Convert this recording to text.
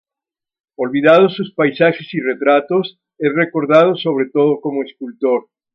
Olvidados sus paisajes y retratos, es recordado sobre todo como escultor.